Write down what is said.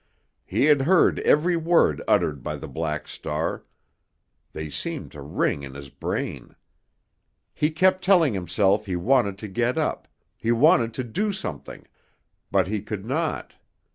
He had heard every word uttered by the Black Star—they seemed to ring in his brain. He kept telling himself he wanted to get up, he wanted to do something—but he could not.